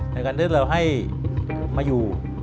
ในการที่เราให้มาอยู่